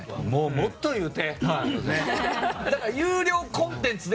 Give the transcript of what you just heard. もっと言うて！